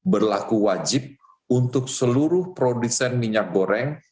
berlaku wajib untuk seluruh produsen minyak goreng